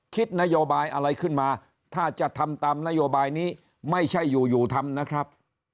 คิดนโยบายอะไรขึ้นมาถ้าจะทำตามนโยบายนี้ไม่ใช่อยู่อยู่ทำนะครับ